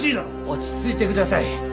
落ち着いてください。